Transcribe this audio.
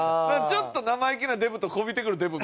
ちょっと生意気なデブとこびてくるデブ。